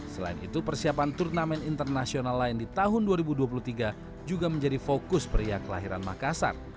selain itu persiapan turnamen internasional lain di tahun dua ribu dua puluh tiga juga menjadi fokus pria kelahiran makassar